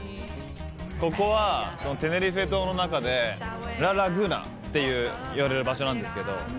ここはテネリフェ島の中でラ・ラグーナっていう場所なんですけど。